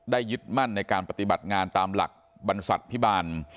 ยึดมั่นในการปฏิบัติงานตามหลักบรรษัทพิบาล